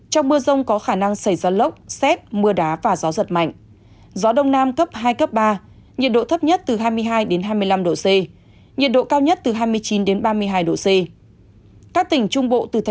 trong mưa rông có khả năng xảy ra lốc xét mưa đá và gió giật mạnh